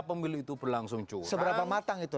pemilih itu berlangsung curang seberapa matang itu